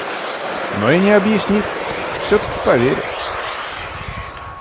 Но и не объяснит, всё-таки поверю.